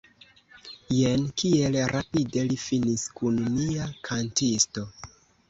Jen kiel rapide li finis kun nia kantisto!